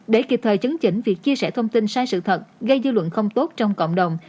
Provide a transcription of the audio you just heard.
để kịp thời chấn chỉnh việc chia sẻ thông tin sai sự thật gây dư luận không tốt trong cộng đồng